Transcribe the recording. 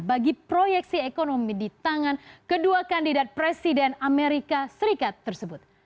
bagi proyeksi ekonomi di tangan kedua kandidat presiden amerika serikat tersebut